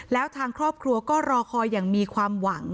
แล้วทางครอบครัวก็รอคอยอย่างมีความหวัง